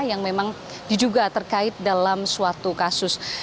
yang memang diduga terkait dalam suatu kasus